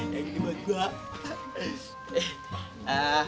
ya gini buat gue